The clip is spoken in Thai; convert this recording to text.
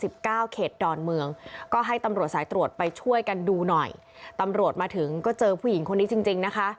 เขตดอนเมืองก็ให้ตำรวจสายตรวจไปช่วยกันดูหน่อยตำรวจมาถึงก็เจอผู้หญิงคนนี้จริงจริงนะคะ